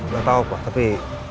gak tau pak tapi